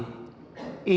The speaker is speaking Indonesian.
bahwa hasilnya adalah valid